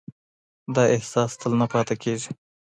دا احساس تل نه پاتې کېږي.